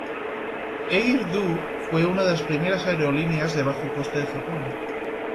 Air Do fue una de las primeras aerolíneas de bajo coste de Japón.